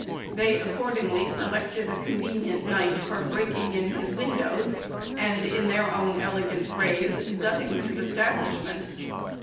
They accordingly selected a convenient night for breaking in his windows, and, in their own elegant phrase, "gutting his establishment."